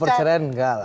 perceraian nggak lah